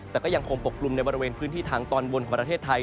แต่ก็ยังคงปกกลุ่มในบริเวณพื้นที่ทางตอนบนของประเทศไทย